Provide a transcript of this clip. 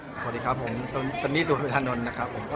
สวัสดีครับผมสนิทสุธวิทยานนทรนะครับผม